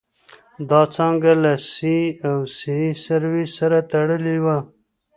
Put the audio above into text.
دا څانګه له سي او سي سرویسس سره تړلې وه.